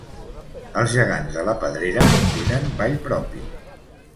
Els Gegants de la Pedrera tenen ball propi.